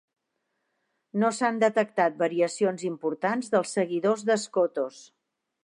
No s'han detectat variacions importants dels seguidors de Skotos.